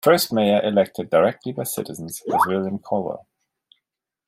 The first mayor elected directly by citizens was William Caldwell.